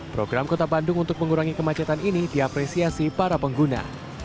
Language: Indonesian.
program kota bandung untuk mengurangi kemacetan ini diapresiasi para pengguna